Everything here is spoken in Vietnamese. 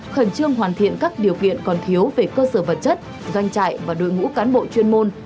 khẩn trương hoàn thiện các điều kiện còn thiếu về cơ sở vật chất doanh trại và đội ngũ cán bộ chuyên môn